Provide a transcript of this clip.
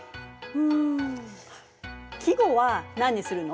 ん季語は何にするの？